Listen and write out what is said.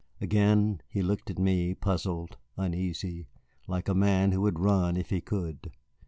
Again he looked at me, puzzled, uneasy, like a man who would run if he could.